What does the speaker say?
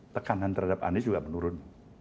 tekanan terhadap anies juga menurun